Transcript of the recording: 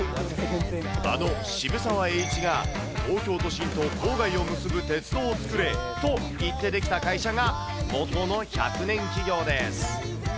あの渋沢栄一が、東京都心と郊外を結ぶ鉄道を作れと言って出来た会社が、東京の１００年企業です。